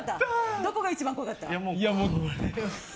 どこが一番怖かった。